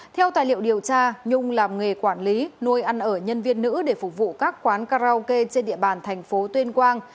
theo tài liệu điều tra nhung làm nghề quản lý nuôi ăn ở nhân viên nữ để phục vụ các quán karaoke trên địa bàn thành phố tuyên quang